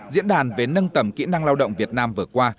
diễn đàn về nâng tầm kỹ năng lao động việt nam vừa qua